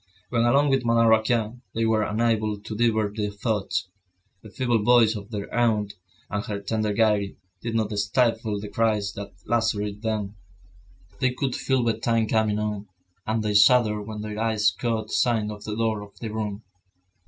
When alone with Madame Raquin, they were unable to divert their thoughts; the feeble voice of their aunt, and her tender gaiety, did not stifle the cries that lacerated them. They could feel bedtime coming on, and they shuddered when their eyes caught sight of the door of their room.